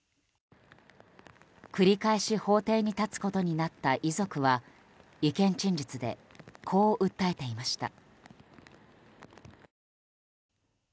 繰り返し法廷に立つことになった遺族は意見陳述でこう訴えていました。